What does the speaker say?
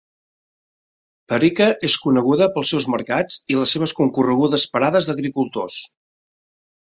Parika és coneguda pels seus mercats i les seves concorregudes parades d'agricultors.